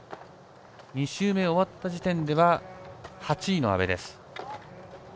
２周目終わった時点では８位の阿部です。